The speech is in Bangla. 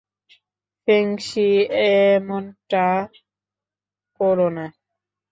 ফেংশি, এমনটা কোরো না!